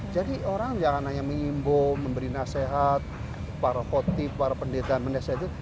jadi orang jangan hanya mengimbo memberi nasihat para votif para pendidikan mendesak itu